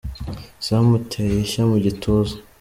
Zamuteye ishya mu gituza